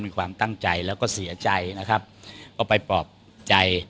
มีความตั้งใจแล้วก็เสียใจนะครับก็ไปปลอบใจ